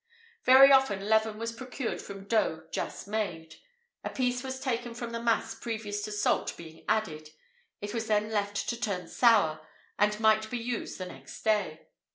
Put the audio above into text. Very often leaven was procured from dough just made. A piece was taken from the mass previous to salt being added; it was then left to turn sour, and might be used the next day.